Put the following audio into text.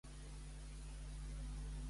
Pots dir alguna cosa graciosa?